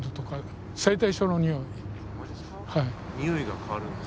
匂いが変わるんですか？